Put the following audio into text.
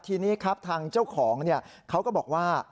ทีนี้ครับทางเจ้าของเขาก็บอกว่า